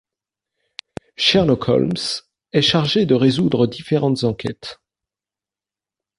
Sherlock Holmes est chargé de résoudre différentes enquêtes.